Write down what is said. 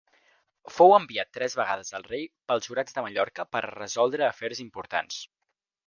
Fou enviat tres vegades al rei pels jurats de Mallorca per a resoldre afers importants.